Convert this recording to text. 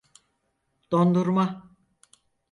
Dondurma…